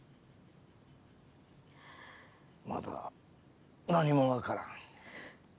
まだ何も分からん。